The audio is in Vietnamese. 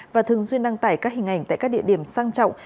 và thường xuyên đăng tải các hình ảnh tại các địa điểm sang trọng